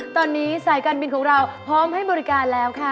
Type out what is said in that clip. ตอนนี้สายการบินของเราพร้อมให้บริการแล้วค่ะ